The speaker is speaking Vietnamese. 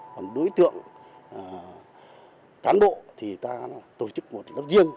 còn đối tượng cán bộ thì ta tổ chức một lớp riêng